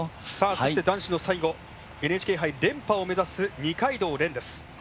そして男子の最後ＮＨＫ杯連覇を目指す二階堂蓮です。